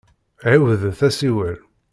Ɛiwdet asiwel.